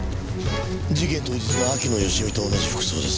事件当日の秋野芳美と同じ服装です。